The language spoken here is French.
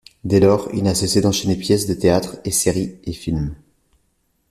Dès lors, il n’a cessé d’enchaîner pièces de théâtre et séries et films.